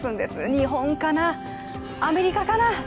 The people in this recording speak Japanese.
日本かな、アメリカかな